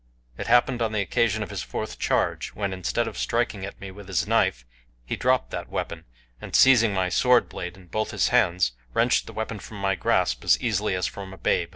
It happened on the occasion of his fourth charge, when, instead of striking at me with his knife, he dropped that weapon, and seizing my sword blade in both his hands wrenched the weapon from my grasp as easily as from a babe.